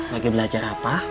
lagi belajar apa